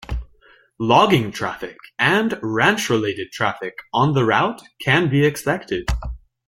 Logging traffic and ranch-related traffic on the route can be expected.